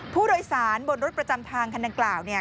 ผู้โดยสารบนรถประจำทางคันดังกล่าวเนี่ย